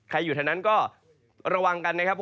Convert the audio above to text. อยู่แถวนั้นก็ระวังกันนะครับ